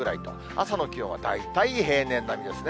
朝の気温は大体平年並みですね。